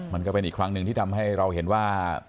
มันก็เป็นอีกครั้งหนึ่งที่ทำให้เราเห็นว่า